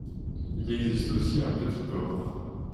Il existe aussi un petit port.